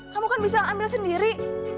kamu kan bisa ambil sendiri